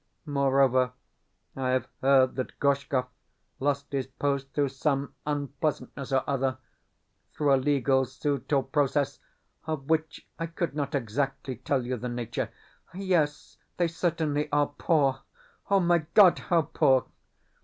Moreover, I have heard that Gorshkov lost his post through some unpleasantness or other through a legal suit or process of which I could not exactly tell you the nature. Yes, they certainly are poor Oh, my God, how poor!